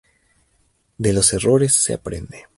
De los errores, se aprende